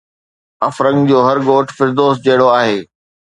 افرنگ جو هر ڳوٺ فردوس جهڙو آهي